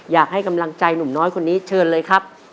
อยากให้กำลังใจหนุ่มน้อยคนนี้เชิญเลยครับ